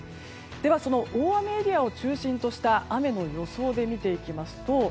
では、大雨エリアを中心とした雨の予想で見ていきますと